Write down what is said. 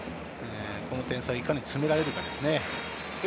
この点差をいかに詰められるかですね。